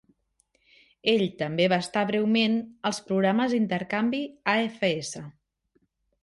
Ell també va estar breument als Programes d'intercanvi AFS.